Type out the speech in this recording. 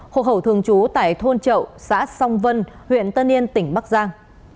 hội hậu thường trú tại thôn trậu xã song vân huyện tân yên tỉnh bắc giang